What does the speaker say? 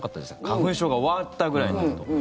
花粉症が終わったくらいの時。